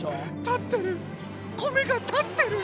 立ってる米が立ってる！